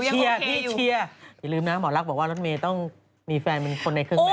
พี่เชียร์อย่าลืมนะหมอลักษณ์บอกว่ารถเมย์ต้องมีแฟนเป็นคนในเครื่องแบบ